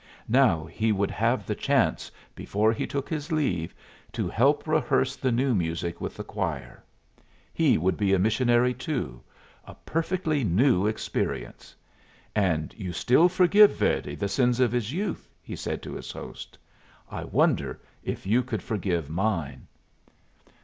Now he would have the chance, before he took his leave, to help rehearse the new music with the choir. He would be a missionary too. A perfectly new experience. "And you still forgive Verdi the sins of his youth?" he said to his host. "I wonder if you could forgive mine?"